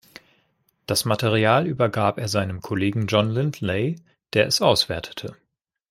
Das Material übergab er seinem Kollegen John Lindley, der es auswertete.